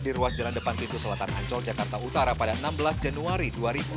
di ruas jalan depan pintu selatan ancol jakarta utara pada enam belas januari dua ribu dua puluh